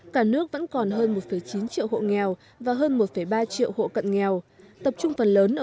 cả nước vẫn còn hơn một chín triệu hộ nghèo và hơn một ba triệu hộ cận nghèo